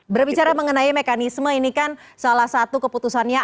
berbicara mengenai mekanisme ini kan salah satu keputusannya